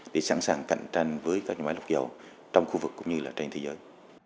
để sẵn sàng cạnh tranh với các nhà máy lọc dầu trong khu vực cũng như là trên thế giới